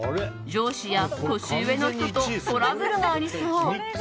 上司や年上の人とトラブルがありそう。